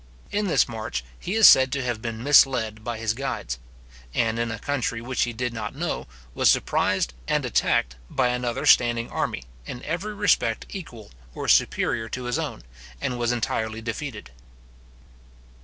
In this march, he is said to have been misled by his guides; and in a country which he did not know, was surprised and attacked, by another standing army, in every respect equal or superior to his own, and was entirely defeated.